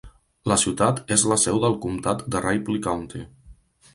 La ciutat és la seu del comtat de Ripley County.